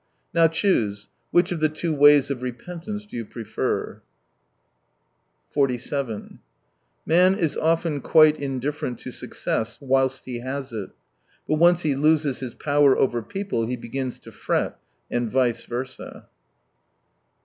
Now, choose — which of the two ways of repentance do you prefer ? 47 Man is often quite indifferent to success whilst he has it. But once he loses his power over people, he begins to fret. And — vice versa.